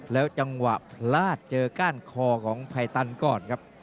แล้วจังหวะพลาดเจอก้านคอของภัยตันก่อนครับ